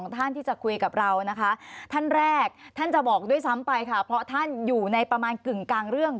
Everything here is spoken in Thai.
ท่านท่านแรกท่านจะบอกด้วยซ้ำไปค่ะเพราะท่านอยู่ในประมาณกึ่งกลางเรื่อง